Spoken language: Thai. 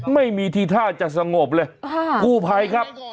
ไม่มีทีท่าจะสงบเลยกู้ภัยครับ